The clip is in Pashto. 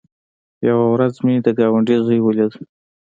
يوه ورځ مې د گاونډي زوى وليد.